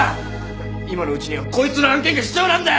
今のうちにはこいつの案件が必要なんだよ！